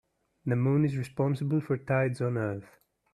The moon is responsible for tides on earth.